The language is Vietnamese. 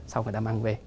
sau đó người ta mang về